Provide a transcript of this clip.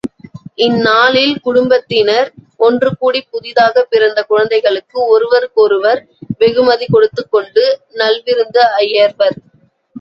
இந்நாளில் குடும்பத்தினர் ஒன்றுகூடிப் புதிதாகப் பிறந்த குழந்தைகளுக்கு ஒருவர்க்கொருவர் வெகுமதி கொடுத்துக் கொண்டு நல்விருந்து அயர்வர்.